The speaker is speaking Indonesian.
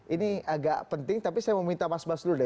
ini agak penting tapi saya mau minta mas bas dulu deh